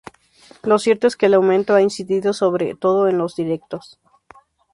lo cierto es que el aumento ha incidido sobre todo en los directos